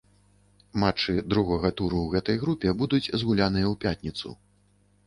Матчы другога туру ў гэтай групе будуць згуляныя ў пятніцу.